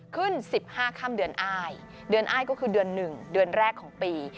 ขึ้น๑๕ค่ำเดือนอ้ายเดือนอ้ายก็คือเดือน๑เดือนแรกของปี